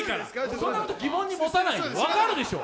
そんなこと疑問持たないのよ、いいでしょう。